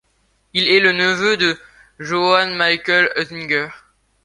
Il est le neveu de Johann Michael Heusinger.